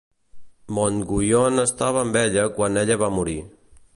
Montguyon estava amb ella quan ella va morir.